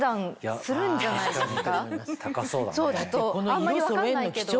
あんまり分かんないけど。